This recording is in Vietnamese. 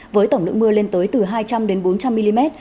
với tổng lượng mưa lên tới từ hai trăm linh bốn trăm linh mm